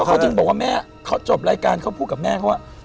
เขาจึงบอกว่าแม่เขาจบรายการเขาพูดกับแม่เขาว่า